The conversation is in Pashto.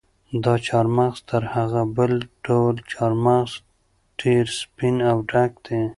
دا چهارمغز تر هغه بل ډول چهارمغز ډېر سپین او ډک دي.